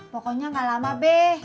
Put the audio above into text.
pokoknya gak lama be